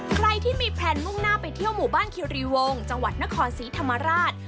ใครที่มีแพลนมุ่งหน้าไปเที่ยวหมู่บ้านคิรีวงจังหวัดนครศรีธรรมราช